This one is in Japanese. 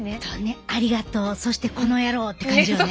ありがとうそしてこの野郎って感じよね。